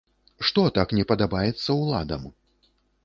Што так не падабаецца ўладам?